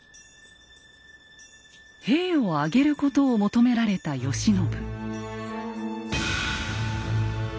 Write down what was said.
兵を挙げることを求められた慶喜。